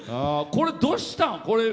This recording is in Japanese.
これ、どうしたん？